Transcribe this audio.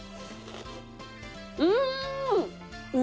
うん！